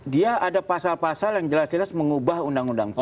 dia ada pasal pasal yang jelas jelas mengubah undang undang